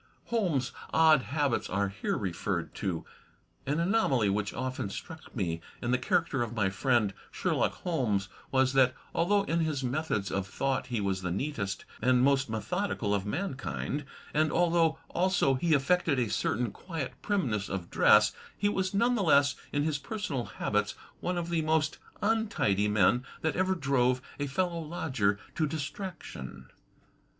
Holmes' odd habits are here referred to: An anomaly which often struck me in the character of my friend Sherlock Holmes was that, although in his methods of thought he was the neatest and most methodical of mankind, and although also he affected a certain quiet primness of dress, he was none the less in his personal habits one of the most untidy men that ever drove a fellow lodger to distraction.